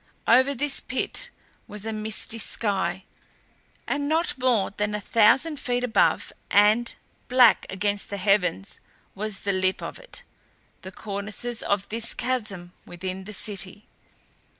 Over this pit was a misty sky and not more than a thousand feet above and black against the heavens was the lip of it the cornices of this chasm within the City.